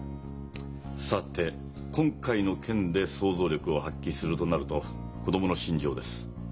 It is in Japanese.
さて今回の件で想像力を発揮するとなると子供の心情です。